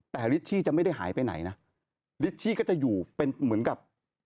แต่ลิชชี่ก็จะอยู่เหมือนกับ